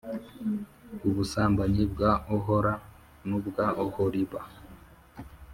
Ubusambanyi bwa Ohola n ubwa Oholiba